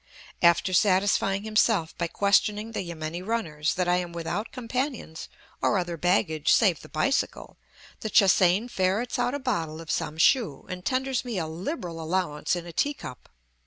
After satisfying himself by questioning the yameni runners, that I am without companions or other baggage save the bicycle, the Che hsein ferrets out a bottle of samshoo and tenders me a liberal allowance in a tea cup.